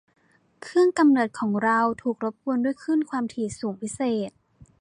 เครื่องกำเนิดของเราถูกรบกวนด้วยคลื่นความถี่สูงพิเศษ